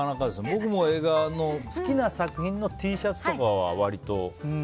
僕も映画の好きな作品のＴシャツとかは割と。